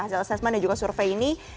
hasil assessment dan juga survei ini tidak bisa